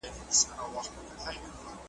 شاوخوا یې پلټی ځای په دوکان کي .